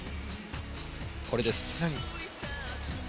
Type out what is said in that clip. これです。